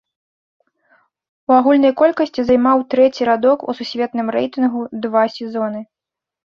У агульнай колькасці займаў трэці радок у сусветным рэйтынгу два сезоны.